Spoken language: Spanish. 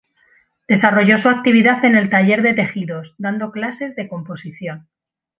Desarrolló su actividad en el taller de tejidos, dando clases de composición.